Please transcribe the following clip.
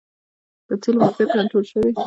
د تیلو مافیا کنټرول شوې؟